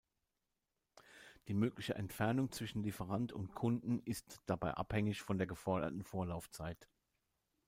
Die mögliche Entfernung zwischen Lieferant und Kunden ist dabei abhängig von der geforderten Vorlaufzeit.